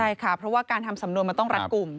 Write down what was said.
ใช่ค่ะเพราะว่าการทำสำนวนมันต้องรัดกลุ่ม